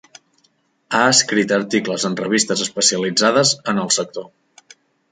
Ha escrit articles en revistes especialitzades en el sector.